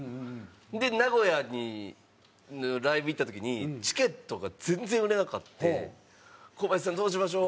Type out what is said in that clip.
で名古屋にライブ行った時にチケットが全然売れなくて「コバヤシさんどうしましょう？」